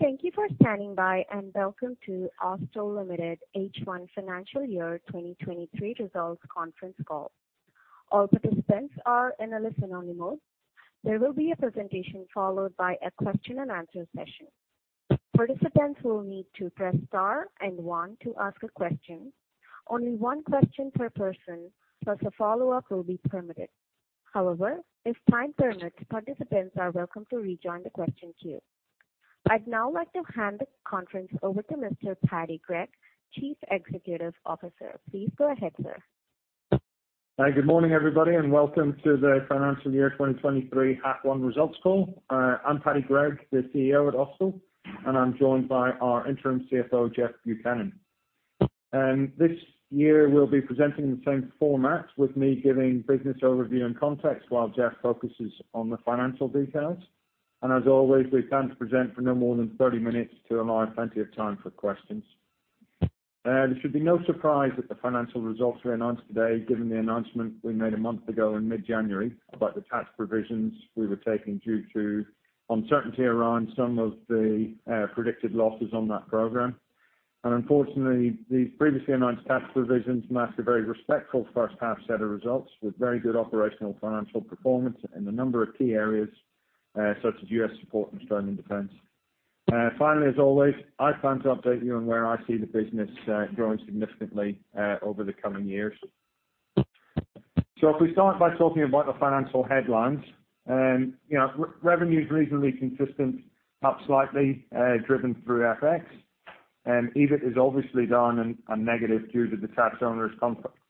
Thank you for standing by, welcome to Austal Limited H1 Financial Year 2023 Results Conference Call. All participants are in a listen-only mode. There will be a presentation followed by a question-and-answer session. Participants will need to press star and one to ask a question. Only one question per person plus a follow-up will be permitted. If time permits, participants are welcome to rejoin the question queue. I'd now like to hand the conference over to Mr. Paddy Gregg, Chief Executive Officer. Please go ahead, sir. Hi, good morning, everybody, welcome to the Financial Year 2023 Half One Results Call. I'm Paddy Gregg, the CEO at Austal, and I'm joined by our interim CFO, Geoff Buchanan. This year we'll be presenting the same format with me giving business overview and context while Geoff focuses on the financial details. As always, we plan to present for no more than 30 minutes to allow plenty of time for questions. It should be no surprise that the financial results we announced today, given the announcement we made a month ago in mid-January about the tax provisions we were taking due to uncertainty around some of the predicted losses on that program. Unfortunately, the previously announced tax provisions masked a very respectful first half set of results with very good operational financial performance in a number of key areas, such as U.S support and Australian Defence. Finally, as always, I plan to update you on where I see the business growing significantly over the coming years. If we start by talking about the financial headlines, you know, re-revenue is reasonably consistent, up slightly, driven through FX. EBIT is obviously down and negative due to the tax owners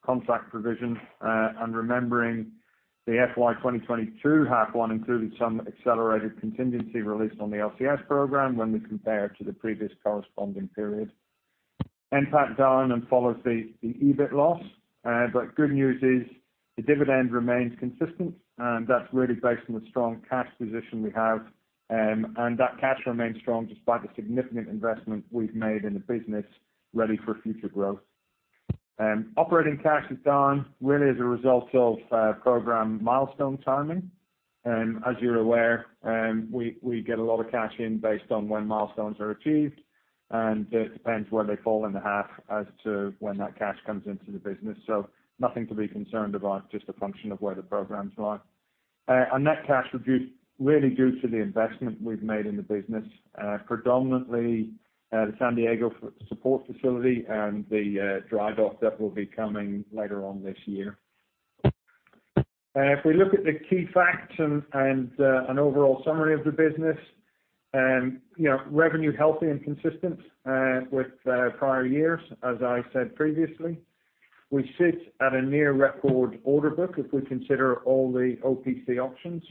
contract provision, and remembering the FY 2022 half one included some accelerated contingency released on the LCS program when we compare it to the previous corresponding period. NPAT down and follows the EBIT loss. Good news is the dividend remains consistent, and that's really based on the strong cash position we have, and that cash remains strong despite the significant investment we've made in the business ready for future growth. Operating cash is down really as a result of program milestone timing. As you're aware, we get a lot of cash in based on when milestones are achieved, and it depends where they fall in the half as to when that cash comes into the business. Nothing to be concerned about, just a function of where the programs lie. Net cash reduced really due to the investment we've made in the business, predominantly, the San Diego support facility and the dry dock that will be coming later on this year. If we look at the key facts and an overall summary of the business, you know, revenue healthy and consistent with prior years, as I said previously. We sit at a near record order book if we consider all the OPC options,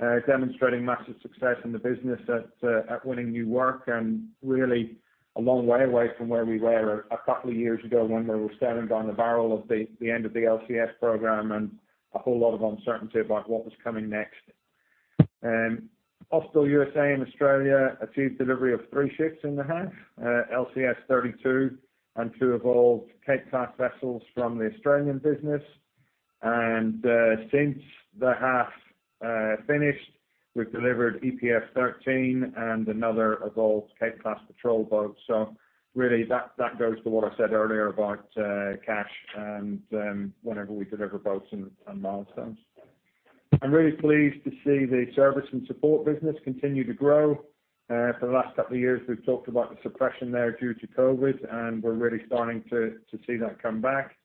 demonstrating massive success in the business at winning new work and really a long way away from where we were a couple of years ago when we were staring down the barrel of the end of the LCS program and a whole lot of uncertainty about what was coming next. Austal USA and Australia achieved delivery of 3 ships in the half, LCS 32 and 2 Evolved Cape-class vessels from the Australian business. Since the half finished, we've delivered EPF 13 and another Evolved Cape-class patrol boat. Really that goes to what I said earlier about cash and whenever we deliver boats and milestones. I'm really pleased to see the service and support business continue to grow. For the last couple of years, we've talked about the suppression there due to COVID, and we're really starting to see that come back.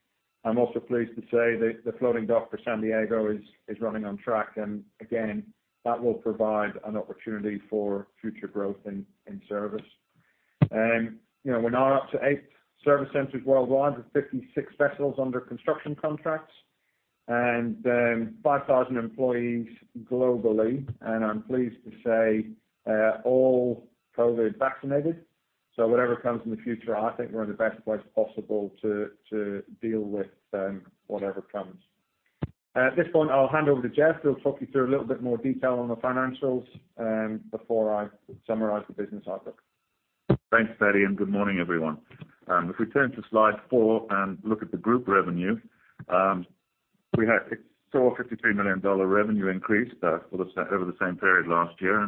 I'm also pleased to say that the floating dock for San Diego is running on track and again, that will provide an opportunity for future growth in service. You know, we're now up to eight service centers worldwide with 56 vessels under construction contracts and 5,000 employees globally, and I'm pleased to say all COVID vaccinated. Whatever comes in the future, I think we're in the best place possible to deal with whatever comes. At this point, I'll hand over to Geoff, who'll talk you through a little bit more detail on the financials, before I summarize the business outlook. Thanks, Paddy, and good morning, everyone. If we turn to slide four and look at the group revenue, we had an 453 million dollar revenue increase over the same period last year,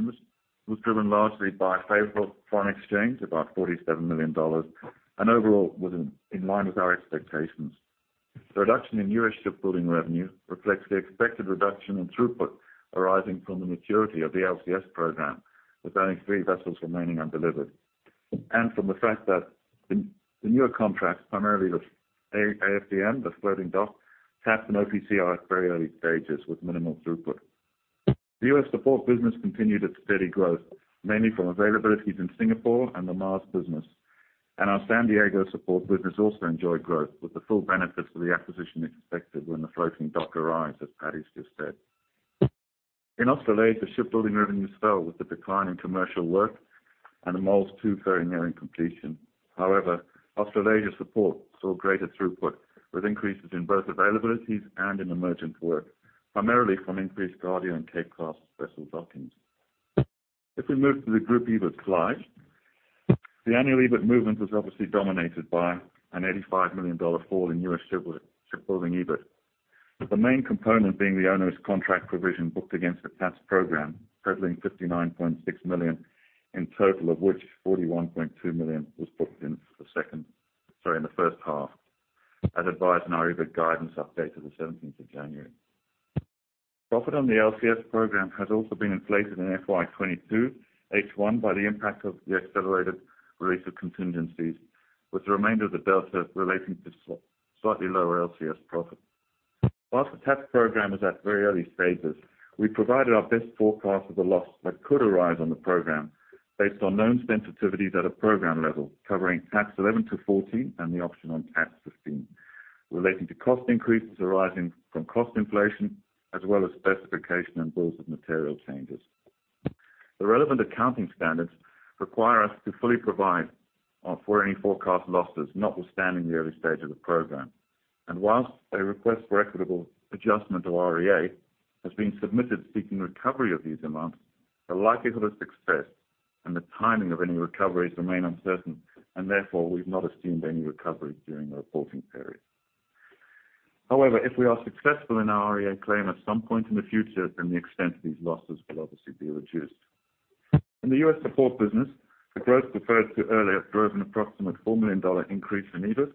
and this was driven largely by favorable foreign exchange, about 47 million dollars. Overall was in line with our expectations. The reduction in U.S shipbuilding revenue reflects the expected reduction in throughput arising from the maturity of the LCS program, with only three vessels remaining undelivered. From the fact that the newer contracts, primarily the AFDM, the floating dock, tapped an OPC at very early stages with minimal throughput. The U.S support business continued its steady growth, mainly from availabilities in Singapore and the MARS business. Our San Diego support business also enjoyed growth, with the full benefits of the acquisition expected when the floating dock arrives, as Paddy's just said. In Australasia, shipbuilding revenues fell with the decline in commercial work and the MOLS 2 ferry nearing completion. Australasia support saw greater throughput, with increases in both availabilities and in emergent work, primarily from increased Guardian Cape-class vessel dockings. If we move to the group EBIT slide. The annual EBIT movement was obviously dominated by an $85 million fall in U.S shipbuilding EBIT. The main component being the owner's contract provision booked against the T-ATS program, totaling $59.6 million in total, of which $41.2 million was booked in the first half, as advised in our EBIT guidance update of the 17th of January. Profit on the LCS program has also been inflated in FY 2022 H1 by the impact of the accelerated release of contingencies, with the remainder of the delta relating to slightly lower LCS profit. Whilst the T-ATS program is at very early stages, we provided our best forecast of the loss that could arise on the program based on known sensitivities at a program level, covering TAPS 11 to 14 and the option on TAPS 15, relating to cost increases arising from cost inflation as well as specification and bills of material changes. The relevant accounting standards require us to fully provide for any forecast losses, notwithstanding the early stage of the program. Whilst a request for equitable adjustment to REA has been submitted seeking recovery of these amounts, the likelihood of success and the timing of any recoveries remain uncertain, and therefore, we've not assumed any recovery during the reporting period. However, if we are successful in our REA claim at some point in the future, then the extent of these losses will obviously be reduced. In the U.S. support business, the growth referred to earlier drove an approximate $4 million increase in EBIT.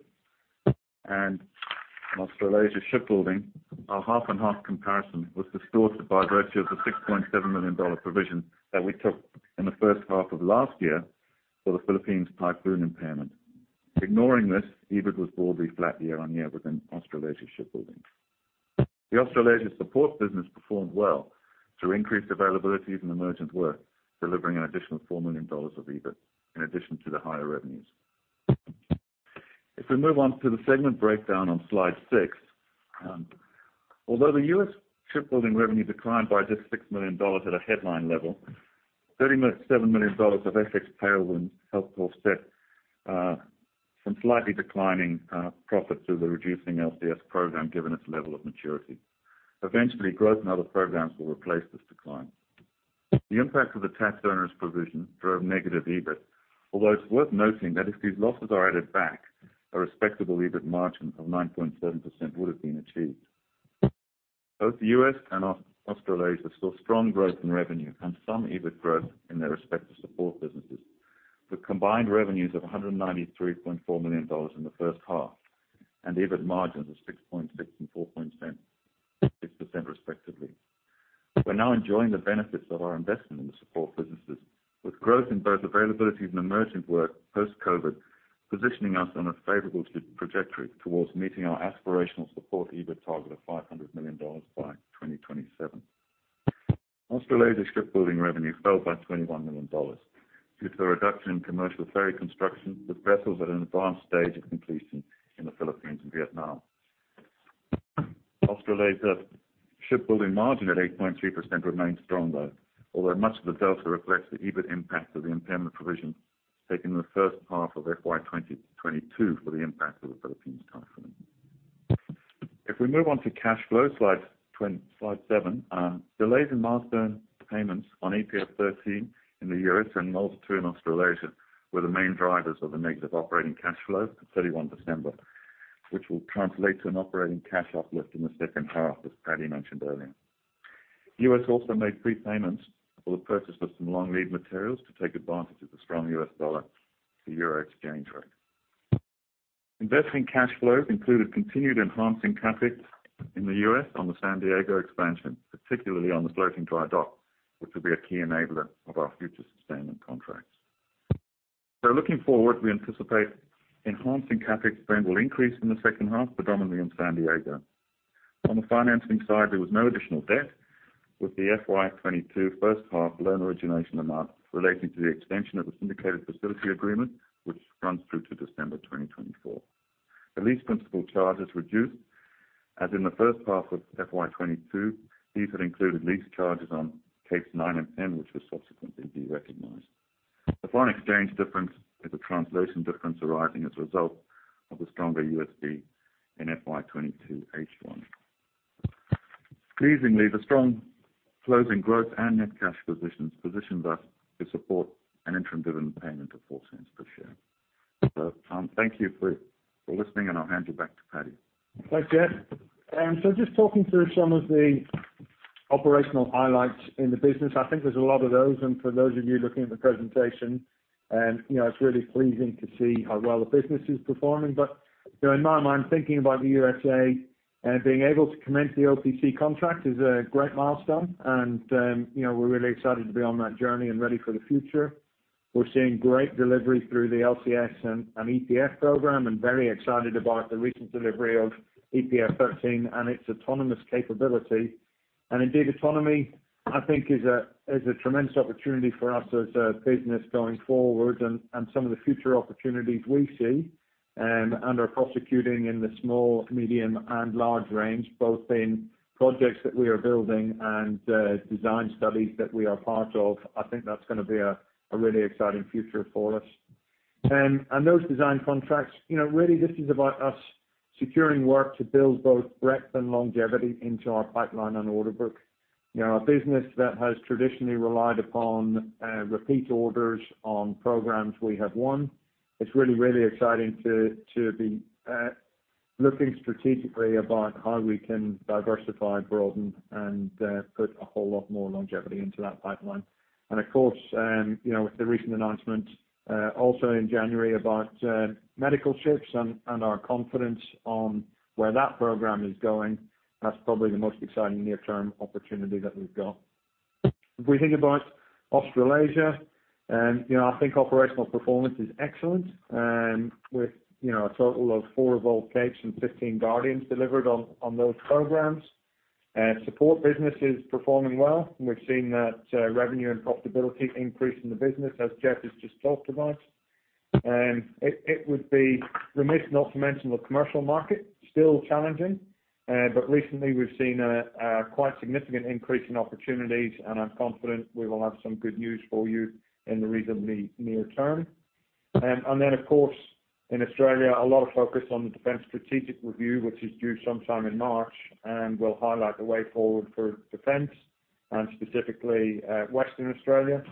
In Australasia Shipbuilding, our half-and-half comparison was distorted by virtue of the $6.7 million provision that we took in the first half of last year for the Philippines typhoon impairment. Ignoring this, EBIT was broadly flat year-on-year within Australasia Shipbuilding. The Australasia support business performed well through increased availabilities and emergent work, delivering an additional 4 million dollars of EBIT in addition to the higher revenues. We move on to the segment breakdown on slide 6, although the U.S shipbuilding revenue declined by just 6 million dollars at a headline level, 37 million dollars of FX tailwinds helped offset some slightly declining profit through the reducing LCS program given its level of maturity. Eventually, growth in other programs will replace this decline. The impact of the T-ATS onerous provision drove negative EBIT, although it's worth noting that if these losses are added back, a respectable EBIT margin of 9.7% would have been achieved. Both the U.S. and Australasia saw strong growth in revenue and some EBIT growth in their respective support businesses, with combined revenues of 193.4 million dollars in the first half and EBIT margins of 6.6% and 4.66% respectively. We're now enjoying the benefits of our investment in the support businesses, with growth in both availability and emergent work post-COVID positioning us on a favorable trajectory towards meeting our aspirational support EBIT target of 500 million dollars by 2027. Australasia shipbuilding revenue fell by 21 million dollars due to a reduction in commercial ferry construction, with vessels at an advanced stage of completion in the Philippines and Vietnam. Australasia shipbuilding margin at 8.3% remains strong, though, although much of the delta reflects the EBIT impact of the impairment provision taken in the first half of FY 2022 for the impact of the Philippines typhoon. We move on to cash flow, slide seven, delays in milestone payments on EPF 13 in the U.S and multi-role in Australasia were the main drivers of the negative operating cash flow for 31 December, which will translate to an operating cash uplift in the second half, as Paddy mentioned earlier. U.S also made prepayments for the purchase of some long-lead materials to take advantage of the strong U.S dollar to EUR exchange rate. Investing cash flow included continued enhancing CapEx in the U.S on the San Diego expansion, particularly on the floating dry dock, which will be a key enabler of our future sustainment contracts. Looking forward, we anticipate enhancing CapEx spend will increase in the second half, predominantly in San Diego. On the financing side, there was no additional debt, with the FY22 first half loan origination amount relating to the extension of the Syndicated Facility Agreement, which runs through to December 2024. The lease principal charges reduced. As in the first half of FY22, these had included lease charges on Capes 9 and 10, which was subsequently derecognized. The foreign exchange difference is a translation difference arising as a result of the stronger USD in FY22 H1. Pleasingly, the strong flows in growth and net cash positions positioned us to support an interim dividend payment of 0.04 per share. Thank you for listening, and I'll hand you back to Paddy. Thanks, Geoff. Just talking through some of the operational highlights in the business, I think there's a lot of those. And for those of you looking at the presentation, you know, it's really pleasing to see how well the business is performing. You know, in my mind, thinking about the USA and being able to commence the OPC contract is a great milestone. You know, we're really excited to be on that journey and ready for the future. We're seeing great delivery through the LCS and EPF program and very excited about the recent delivery of EPF 13 and its autonomous capability. Indeed, autonomy, I think is a tremendous opportunity for us as a business going forward and some of the future opportunities we see, and are prosecuting in the small, medium, and large range, both in projects that we are building and design studies that we are part of. I think that's gonna be a really exciting future for us. Those design contracts, you know, really this is about us securing work to build both breadth and longevity into our pipeline and order book. You know, a business that has traditionally relied upon, repeat orders on programs we have won. It's really, really exciting to be looking strategically about how we can diversify, broaden, and put a whole lot more longevity into that pipeline. Of course, you know, with the recent announcement also in January about medical ships and our confidence on where that program is going, that's probably the most exciting near-term opportunity that we've got. If we think about Australasia, you know, I think operational performance is excellent. With, you know, a total of 4 Capes and 15 Guardians delivered on those programs. Support business is performing well, and we've seen that revenue and profitability increase in the business, as Geoff has just talked about. It would be remiss not to mention the commercial market, still challenging, but recently we've seen a quite significant increase in opportunities, and I'm confident we will have some good news for you in the reasonably near term. Of course, in Australia, a lot of focus on the Defence Strategic Review, which is due sometime in March and will highlight the way forward for defense and specifically, Western Australia.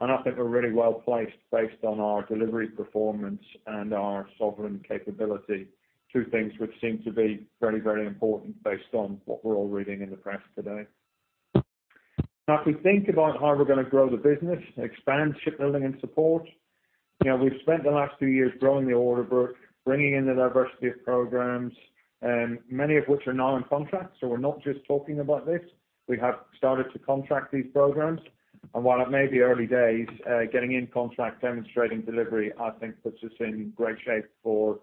I think we're really well placed based on our delivery performance and our sovereign capability. Two things which seem to be very, very important based on what we're all reading in the press today. If we think about how we're gonna grow the business, expand shipbuilding and support, you know, we've spent the last few years growing the order book, bringing in a diversity of programs, many of which are now in contract. We're not just talking about this. We have started to contract these programs. While it may be early days, getting in contract, demonstrating delivery, I think puts us in great shape for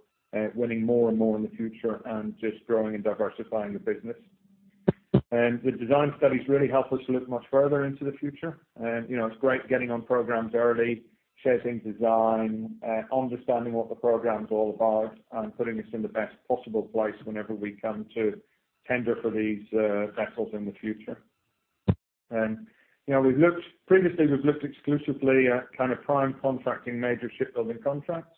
winning more and more in the future and just growing and diversifying the business. The design studies really help us to look much further into the future. You know, it's great getting on programs early, sharing design, understanding what the program's all about, and putting us in the best possible place whenever we come to tender for these vessels in the future. You know, previously, we've looked exclusively at kind of prime contracting major shipbuilding contracts.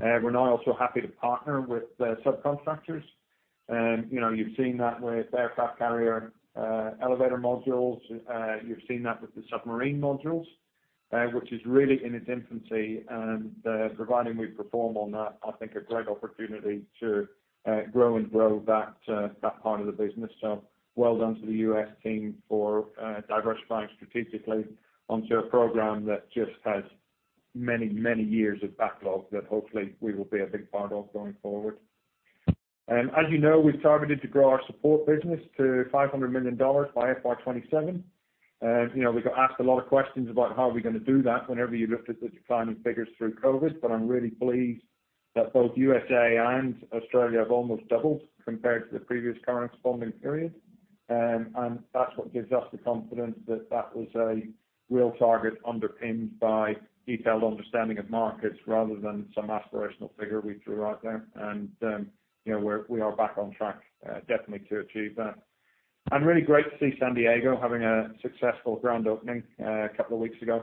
We're now also happy to partner with subcontractors. You know, you've seen that with aircraft carrier, elevator modules. You've seen that with the submarine modules, which is really in its infancy. Providing we perform on that, I think a great opportunity to grow and grow that that part of the business. Well done to the U.S team for diversifying strategically onto a program that just has many, many years of backlog that hopefully we will be a big part of going forward. As you know, we've targeted to grow our support business to 500 million dollars by FY 27. You know, we got asked a lot of questions about how we're gonna do that whenever you looked at the declining figures through COVID, but I'm really pleased that both USA and Australia have almost doubled compared to the previous corresponding period. That's what gives us the confidence that that was a real target underpinned by detailed understanding of markets rather than some aspirational figure we drew out there. You know, we are back on track definitely to achieve that. Really great to see San Diego having a successful grand opening a couple of weeks ago.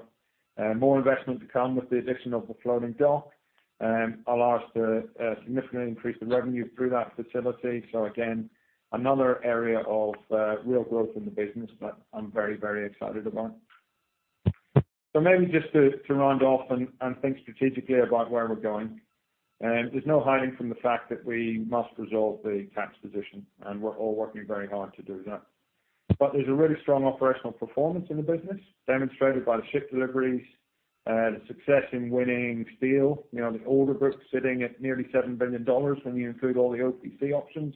More investment to come with the addition of the floating dock allows to significantly increase the revenue through that facility. Again, another area of real growth in the business that I'm very, very excited about. Maybe just to round off and think strategically about where we're going. There's no hiding from the fact that we must resolve the T-ATS position, and we're all working very hard to do that. There's a really strong operational performance in the business, demonstrated by the ship deliveries, the success in winning steel. You know, the order book sitting at nearly 7 billion dollars when you include all the OPC options.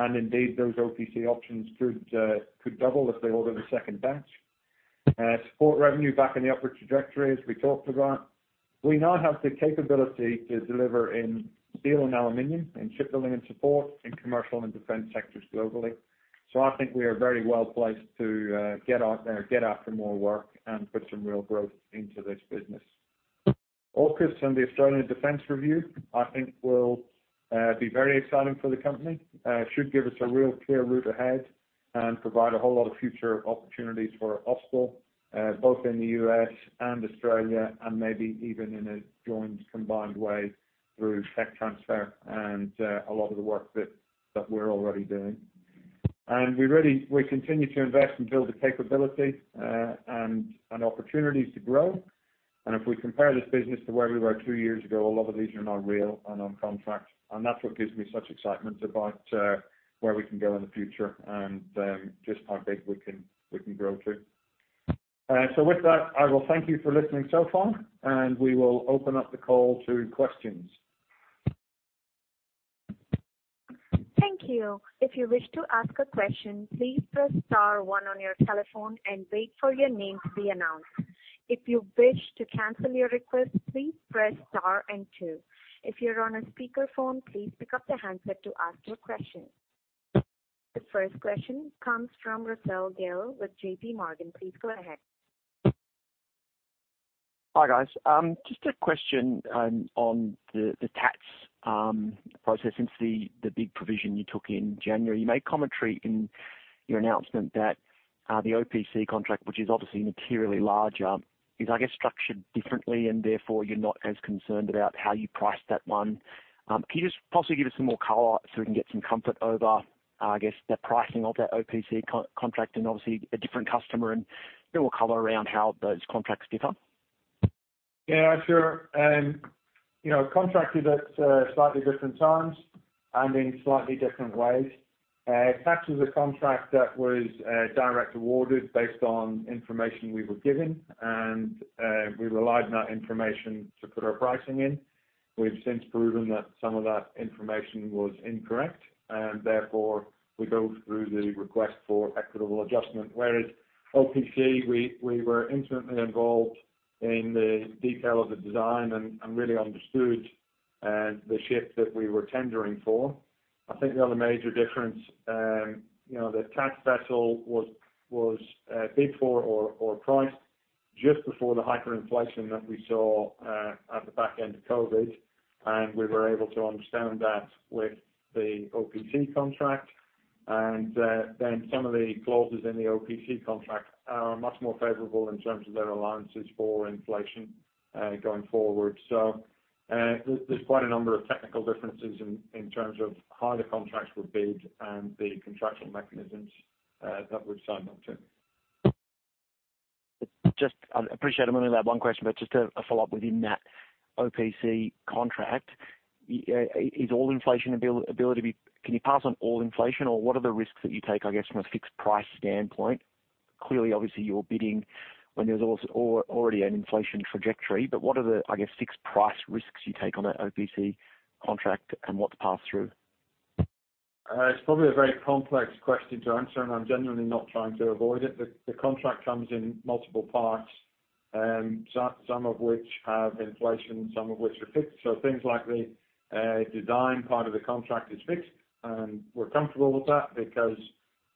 Indeed, those OPC options could double if they order the second batch. Support revenue back in the upward trajectory, as we talked about. We now have the capability to deliver in steel and aluminum, in shipbuilding and support, in commercial and defense sectors globally. I think we are very well placed to get out there, get after more work and put some real growth into this business. AUKUS and the Australian Defence Review, I think will be very exciting for the company. Should give us a real clear route ahead and provide a whole lot of future opportunities for Austal, both in the US and Australia and maybe even in a joint combined way through tech transfer and a lot of the work that we're already doing. We continue to invest and build the capability, and opportunities to grow. If we compare this business to where we were two years ago, a lot of these are now real and on contract. That's what gives me such excitement about where we can go in the future and just how big we can grow to. With that, I will thank you for listening so far, and we will open up the call to questions. Thank you. If you wish to ask a question, please press star one on your telephone and wait for your name to be announced. If you wish to cancel your request, please press star two. If you're on a speakerphone, please pick up the handset to ask your question. The first question comes from Russell Gill with JPMorgan. Please go ahead. Hi, guys. Just a question on the TAPS process since the big provision you took in January. You made commentary in your announcement that the OPC contract, which is obviously materially larger, is structured differently and therefore you're not as concerned about how you price that one. Can you just possibly give us some more color so we can get some comfort over the pricing of that OPC contract and obviously a different customer and a little color around how those contracts differ? Yeah, sure. You know, contracted at slightly different times and in slightly different ways. TAPS was a contract that was direct awarded based on information we were given, and we relied on that information to put our pricing in. We've since proven that some of that information was incorrect. Therefore we go through the request for equitable adjustment. OPC, we were intimately involved in the detail of the design and really understood the ship that we were tendering for. I think the other major difference, you know, the T-ATS vessel was bid for or priced just before the hyperinflation that we saw at the back end of COVID, and we were able to understand that with the OPC contract. Some of the clauses in the OPC contract are much more favorable in terms of their allowances for inflation going forward. There's quite a number of technical differences in terms of how the contracts were bid and the contractual mechanisms that we've signed up to. I appreciate I'm only allowed one question, but just a follow-up within that OPC contract. Is all inflation ability? Can you pass on all inflation or what are the risks that you take, I guess, from a fixed price standpoint? Clearly, obviously, you're bidding when there's already an inflation trajectory, but what are the, I guess, fixed price risks you take on an OPC contract and what to pass through? It's probably a very complex question to answer. I'm genuinely not trying to avoid it. The contract comes in multiple parts, some of which have inflation, some of which are fixed. Things like the design part of the contract is fixed, and we're comfortable with that because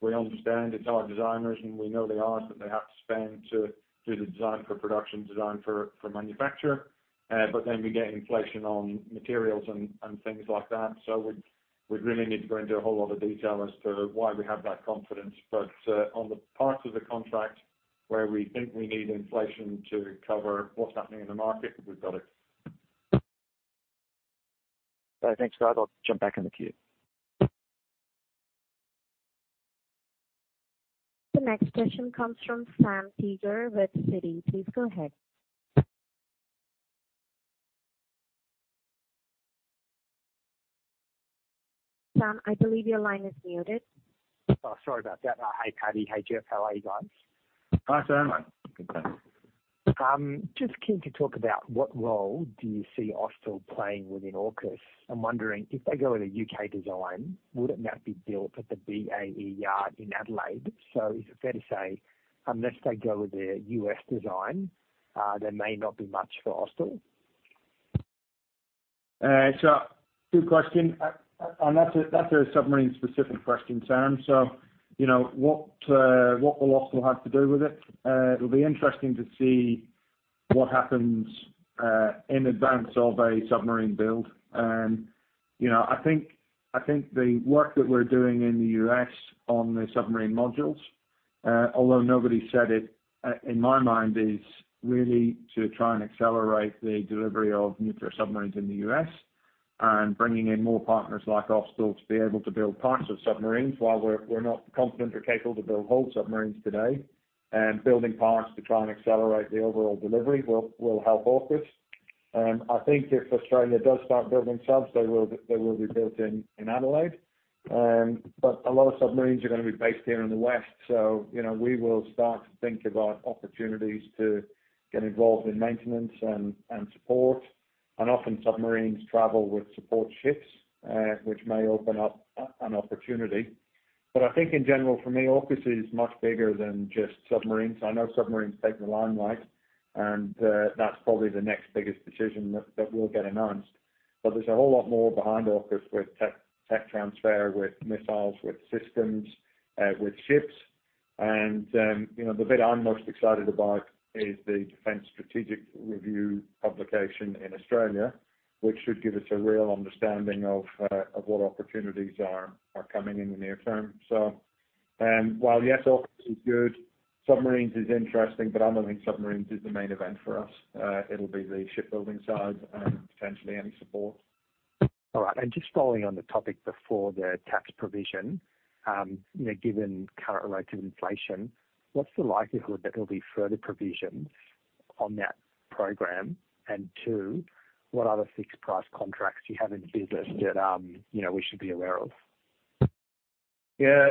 we understand it's our designers and we know the hours that they have to spend to do the design for production, design for manufacture. Then we get inflation on materials and things like that. We'd really need to go into a whole lot of detail as to why we have that confidence. On the parts of the contract where we think we need inflation to cover what's happening in the market, we've got it. Thanks, guys. I'll jump back in the queue. The next question comes from Sam Teeger with Citi. Please go ahead. Sam, I believe your line is muted. Oh, sorry about that. Hi, Paddy. Hey, Geoff. How are you guys? Hi, Sam. Good, thanks. Just keen to talk about what role do you see Austal playing within AUKUS. I'm wondering, if they go with a U.K. design, wouldn't that be built at the BAE yard in Adelaide? Is it fair to say unless they go with a U.S. design, there may not be much for Austal? Good question. That's a, that's a submarine-specific question, Sam. You know, what will Austal have to do with it? It'll be interesting to see what happens in advance of a submarine build. You know, I think the work that we're doing in the U.S. on the submarine modules, although nobody said it, in my mind, is really to try and accelerate the delivery of nuclear submarines in the U.S. and bringing in more partners like Austal to be able to build parts of submarines while we're not confident or capable to build whole submarines today. Building parts to try and accelerate the overall delivery will help AUKUS. I think if Australia does start building subs, they will be built in Adelaide. A lot of submarines are gonna be based here in the West. So, you know, we will start to think about opportunities to get involved in maintenance and support. Often submarines travel with support ships, which may open up an opportunity. I think in general, for me, AUKUS is much bigger than just submarines. I know submarines take the limelight and that's probably the next biggest decision that will get announced. There's a whole lot more behind AUKUS with tech transfer, with missiles, with systems, with ships. You know, the bit I'm most excited about is the Defence Strategic Review publication in Australia, which should give us a real understanding of what opportunities are coming in the near term. While yes, AUKUS is good, submarines is interesting, but I don't think submarines is the main event for us. It'll be the shipbuilding side, potentially any support. All right. Just following on the topic before, the tax provision, you know, given current rates of inflation, what's the likelihood that there'll be further provisions on that program? two, what other fixed price contracts do you have in the business that, you know, we should be aware of? Yeah.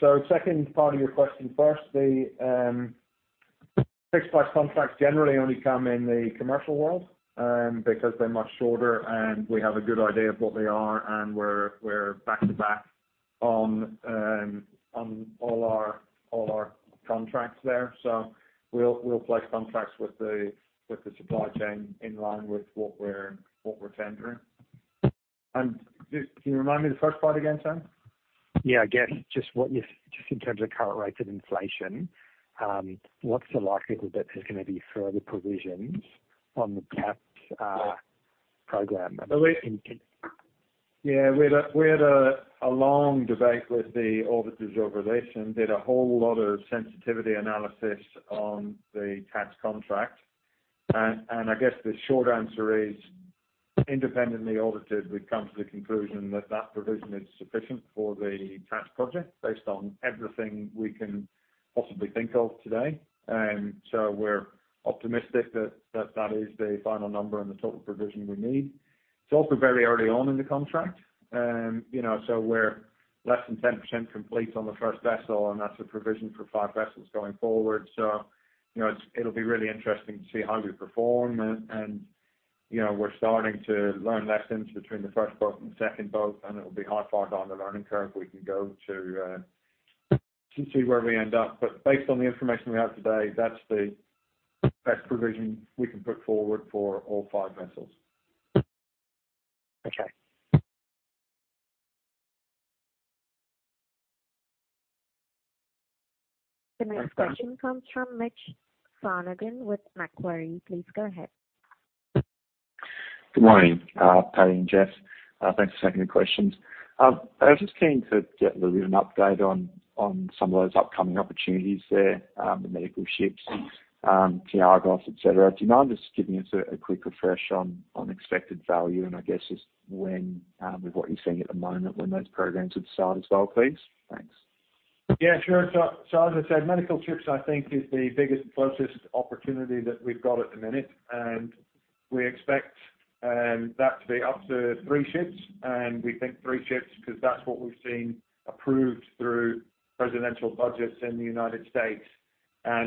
So second part of your question first. The fixed price contracts generally only come in the commercial world because they're much shorter, and we have a good idea of what they are, and we're back to back on all our contracts there. We'll place contracts with the supply chain in line with what we're tendering. Can you remind me the first part again, Sam? Yeah. I guess just in terms of current rates of inflation, what's the likelihood that there's gonna be further provisions on the tax program? Yeah. We had a long debate with the auditors over this and did a whole lot of sensitivity analysis on the TAPS contract. I guess the short answer is, Independently audited, we've come to the conclusion that that provision is sufficient for the TAPS project based on everything we can possibly think of today. We're optimistic that that is the final number and the total provision we need. It's also very early on in the contract. You know, so we're less than 10% complete on the first vessel, and that's a provision for five vessels going forward. So, you know, it'll be really interesting to see how we perform. You know, we're starting to learn lessons between the first boat and second boat, and it'll be high five on the learning curve. We can go to see where we end up. Based on the information we have today, that's the best provision we can put forward for all five vessels. Okay. The next question comes from Mitchell Sonogan with Macquarie. Please go ahead. Good morning, Paddy and Geoff. Thanks for taking the questions. I was just keen to get a little update on some of those upcoming opportunities there, the medical ships, T-AGOs, et cetera. Do you mind just giving us a quick refresh on expected value and I guess just when, with what you're seeing at the moment, when those programs would start as well, please? Thanks. Sure. As I said, medical ships I think is the biggest and closest opportunity that we've got at the minute. We expect that to be up to 3 ships, and we think 3 ships because that's what we've seen approved through presidential budgets in the United States.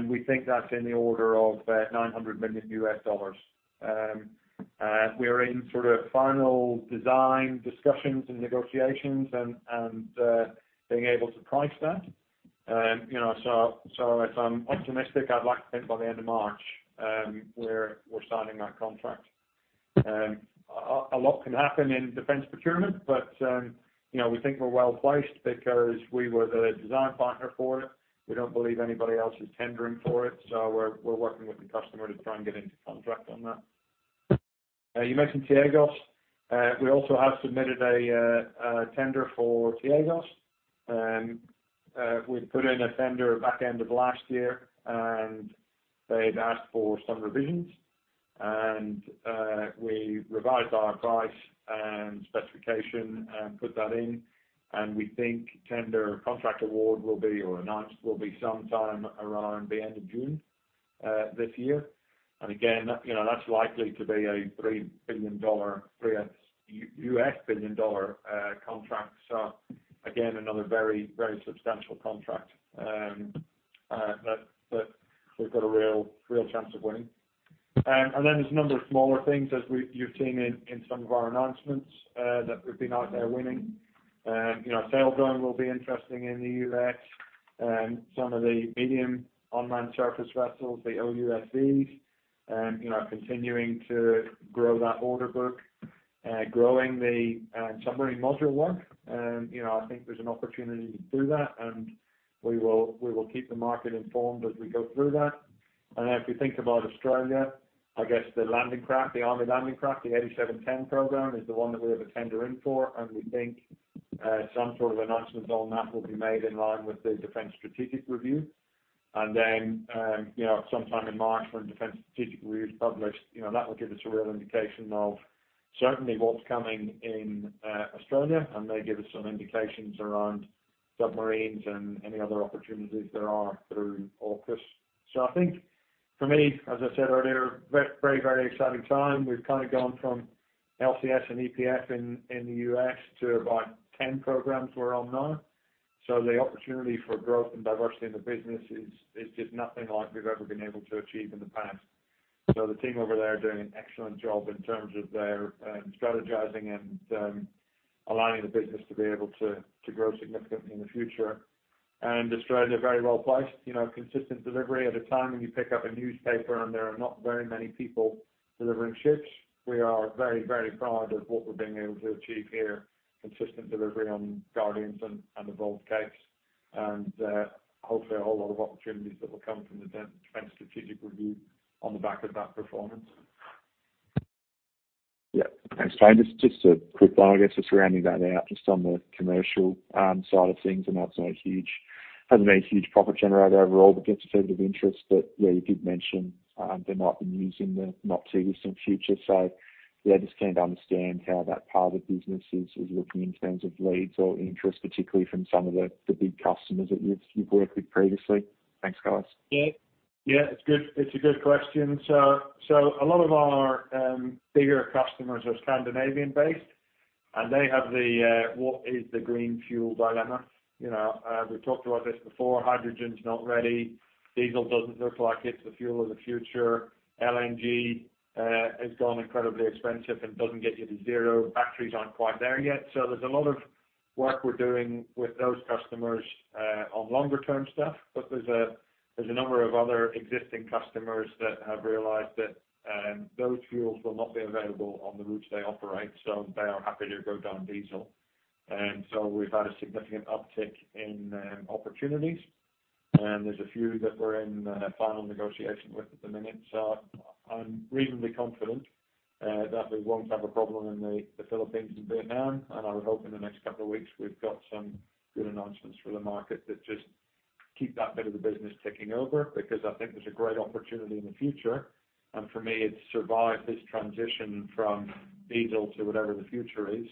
We think that's in the order of $900 million. We're in sort of final design discussions and negotiations and being able to price that. You know, if I'm optimistic, I'd like to think by the end of March, we're signing that contract. A lot can happen in defense procurement, you know, we think we're well-placed because we were the design partner for it. We don't believe anybody else is tendering for it, so we're working with the customer to try and get into contract on that. You mentioned T-AGOs. We also have submitted a tender for T-AGOs. We put in a tender back end of last year. They've asked for some revisions. We revised our price and specification and put that in, and we think tender contract award will be announced sometime around the end of June this year. Again, you know, that's likely to be a $3 billion US billion dollar contract. Again, another very substantial contract that we've got a real chance of winning. Then there's a number of smaller things you've seen in some of our announcements that we've been out there winning. You know, Saildrone will be interesting in the U.S. Some of the medium unmanned surface vessels, the OUSVs. You know, continuing to grow that order book, growing the submarine module work. You know, I think there's an opportunity to do that, and we will keep the market informed as we go through that. If you think about Australia, I guess the landing craft, the Army landing craft, the LAND 8710 program is the one that we have a tender in for, and we think some sort of announcements on that will be made in line with the Defence Strategic Review. You know, sometime in March, when Defence Strategic Review is published, you know, that will give us a real indication of certainly what's coming in Australia and may give us some indications around submarines and any other opportunities there are through AUKUS. I think for me, as I said earlier, very, very exciting time. We've kind of gone from LCS and EPF in the U.S. to about 10 programs we're on now. The opportunity for growth and diversity in the business is just nothing like we've ever been able to achieve in the past. The team over there are doing an excellent job in terms of their strategizing and allowing the business to be able to grow significantly in the future. Australia, very well-placed, you know, consistent delivery at a time when you pick up a newspaper and there are not very many people delivering ships. We are very, very proud of what we're being able to achieve here. Consistent delivery on Guardians and the Evolved Cape. Hopefully, a whole lot of opportunities that will come from the Defence Strategic Review on the back of that performance. Just a quick one, I guess, just rounding that out just on the commercial side of things. I know it's not a huge, hasn't been a huge profit generator overall, but gets a fair bit of interest. Where you did mention there might be news in the not too distant future. Just keen to understand how that part of the business is looking in terms of leads or interest, particularly from some of the big customers that you've worked with previously. Thanks, guys. Yeah. Yeah. It's good. It's a good question. A lot of our bigger customers are Scandinavian-based, and they have the what is the green fuel dilemma. You know, we've talked about this before. Hydrogen's not ready. Diesel doesn't look like it's the fuel of the future. LNG has gone incredibly expensive and doesn't get you to zero. Batteries aren't quite there yet. There's a lot of work we're doing with those customers on longer term stuff. There's a number of other existing customers that have realized that those fuels will not be available on the routes they operate, so they are happy to go down diesel. We've had a significant uptick in opportunities. There's a few that we're in final negotiation with at the minute. I'm reasonably confident that we won't have a problem in the Philippines and Vietnam. I would hope in the next couple of weeks we've got some good announcements for the market that Keep that bit of the business ticking over because I think there's a great opportunity in the future. For me, it's survived this transition from diesel to whatever the future is.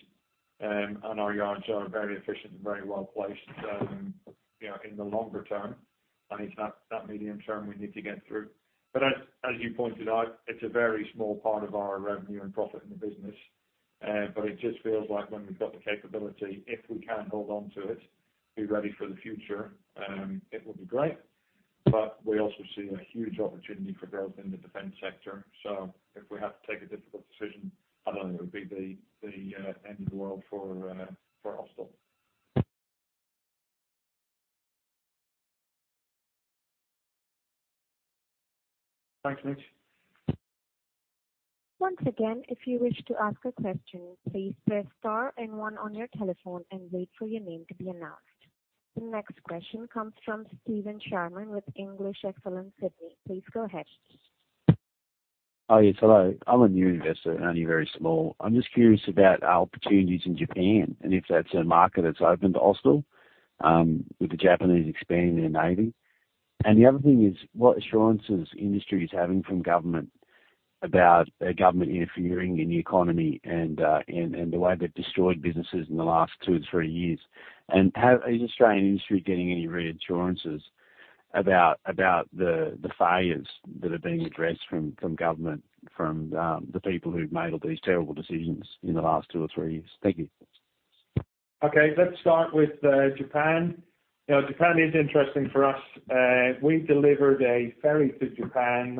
Our yards are very efficient and very well placed, you know, in the longer term. I think that medium term we need to get through. As you pointed out, it's a very small part of our revenue and profit in the business. It just feels like when we've got the capability, if we can hold on to it, be ready for the future, it would be great. We also see a huge opportunity for growth in the defense sector. If we have to take a difficult decision, I don't think it would be the end of the world for Austal. Thanks, Mitch. Once again, if you wish to ask a question, please press star and one on your telephone and wait for your name to be announced. The next question comes from Stephen Germain with English Excellence Sydney. Please go ahead. Oh, yes. Hello. I'm a new investor, only very small. I'm just curious about opportunities in Japan and if that's a market that's open to Austal, with the Japanese expanding their navy. The other thing is, what assurances industry is having from government about a government interfering in the economy and the way they've destroyed businesses in the last two to three years. Is Australian industry getting any reassurances about the failures that are being addressed from government, from the people who've made all these terrible decisions in the last two or three years? Thank you. Okay. Let's start with Japan. You know, Japan is interesting for us. We delivered a ferry to Japan,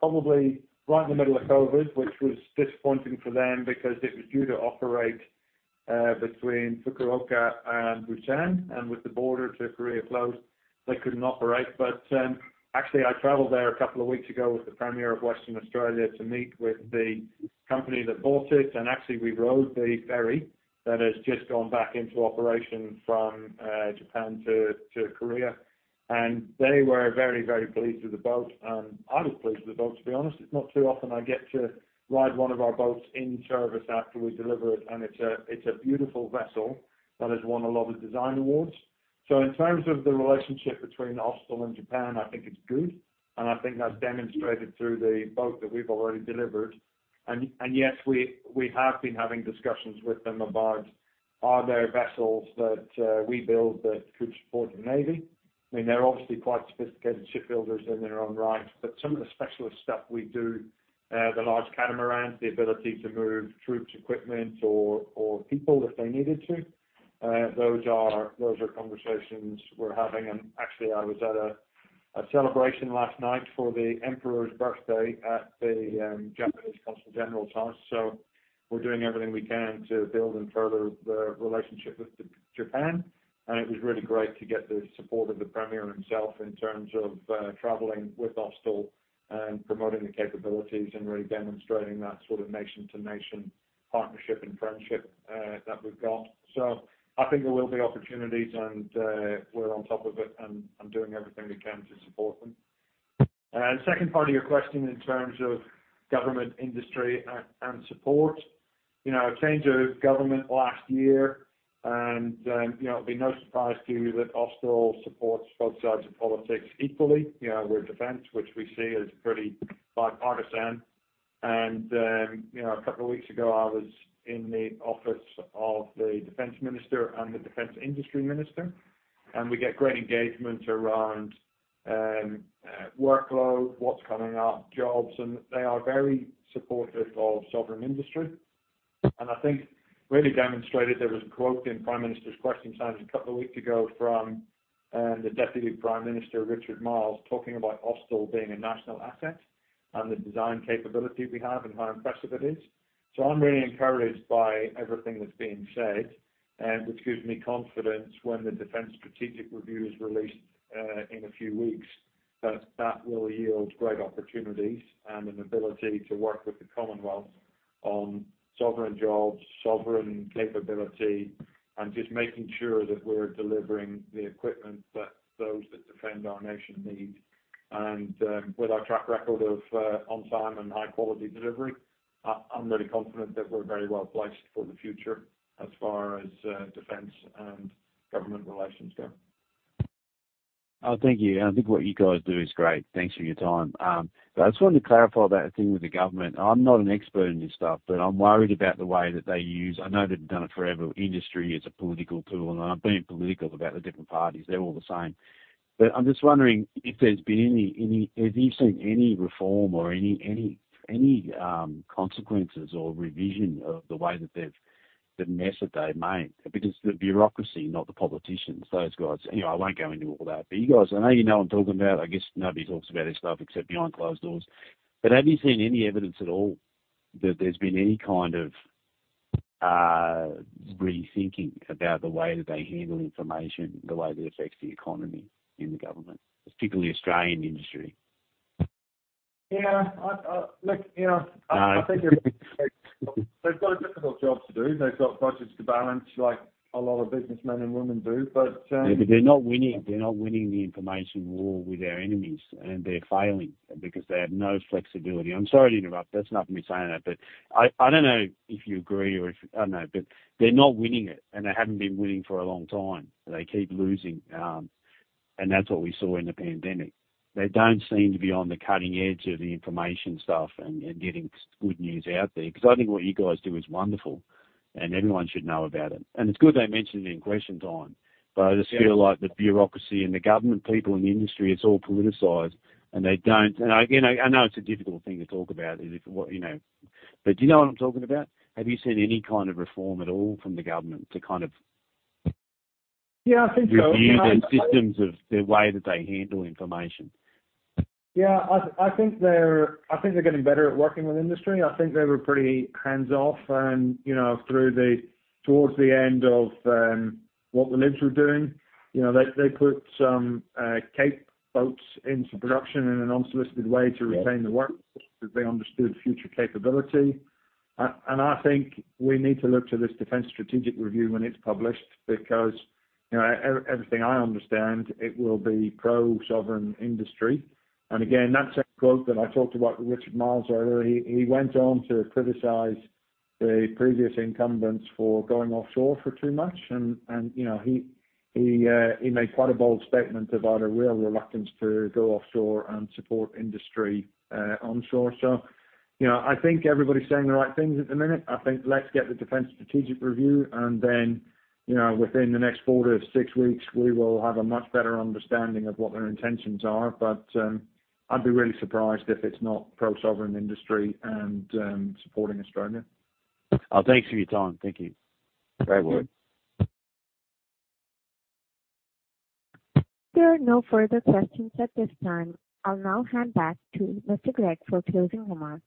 probably right in the middle of COVID, which was disappointing for them because it was due to operate between Fukuoka and Busan. With the border to Korea closed, they couldn't operate. Actually, I traveled there two weeks ago with the Premier of Western Australia to meet with the company that bought it. Actually, we rode the ferry that has just gone back into operation from Japan to Korea. They were very, very pleased with the boat, and I was pleased with the boat, to be honest. It's not too often I get to ride one of our boats in service after we deliver it. It's a beautiful vessel that has won a lot of design awards. In terms of the relationship between Austal and Japan, I think it's good, and I think that's demonstrated through the boat that we've already delivered. Yes, we have been having discussions with them about are there vessels that we build that could support the Navy. I mean, they're obviously quite sophisticated shipbuilders in their own right, but some of the specialist stuff we do, the large catamarans, the ability to move troops, equipment, or people if they needed to. Those are conversations we're having. Actually, I was at a celebration last night for the Emperor's birthday at the Japanese Consul General's house. We're doing everything we can to build and further the relationship with Japan. It was really great to get the support of the Premier himself in terms of traveling with Austal and promoting the capabilities and really demonstrating that sort of nation-to-nation partnership and friendship that we've got. I think there will be opportunities and we're on top of it and doing everything we can to support them. Second part of your question in terms of government, industry, and support. You know, a change of government last year and, you know, it'll be no surprise to you that Austal supports both sides of politics equally. You know, we're defense, which we see as pretty bipartisan. You know, a couple of weeks ago, I was in the office of the Defense Minister and the Defense Industry Minister, we get great engagement around workload, what's coming up, jobs, and they are very supportive of sovereign industry. I think really demonstrated there was a quote in Prime Minister's Question Time a couple of weeks ago from the Deputy Prime Minister, Richard Marles, talking about Austal being a national asset and the design capability we have and how impressive it is. I'm really encouraged by everything that's being said and which gives me confidence when the Defence Strategic Review is released in a few weeks, that that will yield great opportunities and an ability to work with the Commonwealth on sovereign jobs, sovereign capability, and just making sure that we're delivering the equipment that those that defend our nation need. With our track record of on time and high-quality delivery, I'm really confident that we're very well placed for the future as far as Defence and government relations go. Oh, thank you. I think what you guys do is great. Thanks for your time. I just wanted to clarify that thing with the government. I'm not an expert in this stuff, but I'm worried about the way that they use. I know they've done it forever, industry as a political tool. I'm being political about the different parties. They're all the same. I'm just wondering if there's been any. Have you seen any reform or any consequences or revision of the mess that they've made? The bureaucracy, not the politicians, those guys. Anyway, I won't go into all that. You guys, I know you know what I'm talking about. I guess nobody talks about this stuff except behind closed doors. Have you seen any evidence at all that there's been any kind of rethinking about the way that they handle information, the way that affects the economy in the government, particularly Australian industry? Yeah. You know, I think they've got a difficult job to do. They've got budgets to balance like a lot of businessmen and women do. Yeah, but they're not winning, they're not winning the information war with our enemies, and they're failing because they have no flexibility. I'm sorry to interrupt. That's not me saying that, but I don't know if you agree or if I don't know. They're not winning it, and they haven't been winning for a long time. They keep losing. That's what we saw in the pandemic. They don't seem to be on the cutting edge of the information stuff and getting good news out there. I think what you guys do is wonderful, and everyone should know about it. It's good they mention it in question time. I just feel like the bureaucracy and the government people in the industry, it's all politicized and they don't. Again, I know it's a difficult thing to talk about if what, you know. Do you know what I'm talking about? Have you seen any kind of reform at all from the government. Yeah, I think so. Review the systems of the way that they handle information? Yeah. I think they're getting better at working with industry. I think they were pretty hands-off and, you know, towards the end of what the Libs were doing. You know, they put some Cape boats into production in an unsolicited way to retain the work 'cause they understood future capability. I think we need to look to this Defence Strategic Review when it's published because, you know, everything I understand, it will be pro-sovereign industry. Again, that's a quote that I talked about with Richard Marles earlier. He went on to criticize the previous incumbents for going offshore for too much and, you know, he made quite a bold statement about a real reluctance to go offshore and support industry onshore. You know, I think everybody's saying the right things at the minute. I think let's get the Defence Strategic Review and then, you know, within the next quarter to six weeks, we will have a much better understanding of what their intentions are. I'd be really surprised if it's not pro-sovereign industry and supporting Australia. Thanks for your time. Thank you. Great work. There are no further questions at this time. I'll now hand back to Mr. Gregg for closing remarks.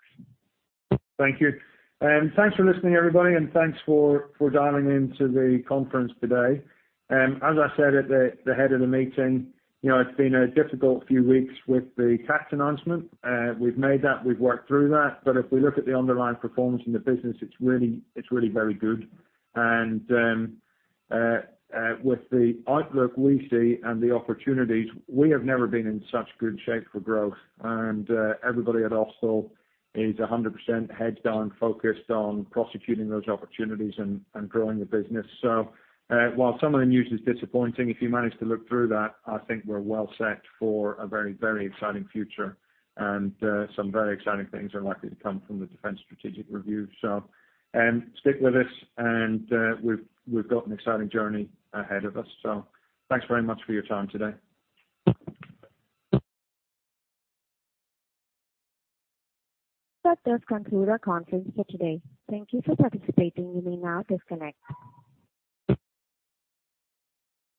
Thank you. Thanks for listening, everybody, and thanks for dialing in to the conference today. As I said at the head of the meeting, you know, it's been a difficult few weeks with the T-ATS announcement. We've made that, we've worked through that. If we look at the underlying performance in the business, it's really very good. With the outlook we see and the opportunities, we have never been in such good shape for growth. Everybody at Austal is 100% heads down, focused on prosecuting those opportunities and growing the business. While some of the news is disappointing, if you manage to look through that, I think we're well set for a very exciting future. Some very exciting things are likely to come from the Defence Strategic Review. Stick with us and, we've got an exciting journey ahead of us. Thanks very much for your time today. That does conclude our conference for today. Thank you for participating. You may now disconnect.